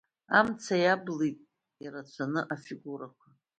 Амца иалаблит ирацәаны афигурақәа.